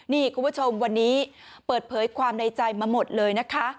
นี่คุณผู้ชมวันนี้เปิดเผยความในใจมาหมดเลยนะคะ